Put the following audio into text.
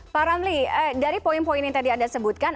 pak ramli dari poin poin yang tadi anda sebutkan